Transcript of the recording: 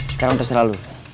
sekarang terserah lo